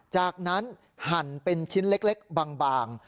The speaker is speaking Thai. จากนั้นหั่นเป็นชิ้นเล็กบาง